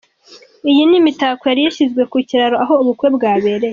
ni iyi mitako yari yashyizwe ku kiraro aho ubukwe bwabereye.